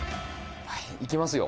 いきますよ